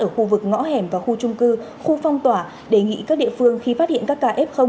ở khu vực ngõ hẻm và khu trung cư khu phong tỏa đề nghị các địa phương khi phát hiện các ca f